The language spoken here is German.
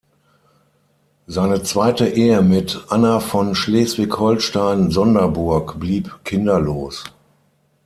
Seine zweite Ehe mit Anna von Schleswig-Holstein-Sonderburg blieb kinderlos.